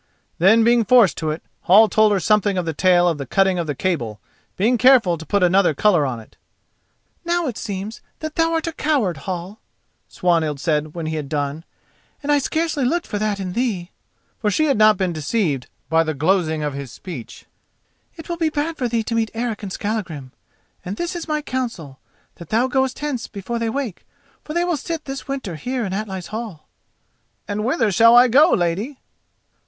Then, being forced to it, Hall told her something of the tale of the cutting of the cable, being careful to put another colour on it. "Now it seems that thou art a coward, Hall," Swanhild said when he had done, "and I scarcely looked for that in thee," for she had not been deceived by the glozing of his speech. "It will be bad for thee to meet Eric and Skallagrim, and this is my counsel: that thou goest hence before they wake, for they will sit this winter here in Atli's hall." "And whither shall I go, lady?"